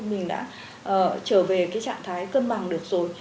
mình đã trở về cái trạng thái cân bằng được rồi